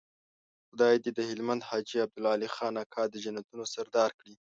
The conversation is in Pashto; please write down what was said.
خدای دې د هلمند حاجي عبدالعلي خان اکا د جنتونو سردار کړي.